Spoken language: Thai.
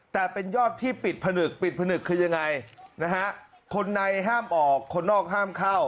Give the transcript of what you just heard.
แต่เป็นยอดที่ปิดผนึกปิดผนึกคือยังไงนะฮะคนในห้ามออกคนนอกห้ามเข้า